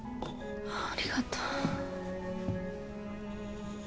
ありがとう